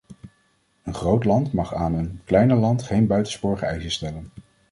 Een groot land mag aan een kleiner land geen buitensporige eisen stellen.